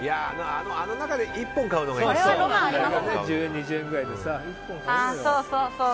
あの中で１本買うのがいいんですよ